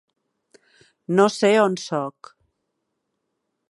No sé on soc.